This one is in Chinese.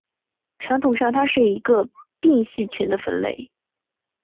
传统上它是一个并系群的分类。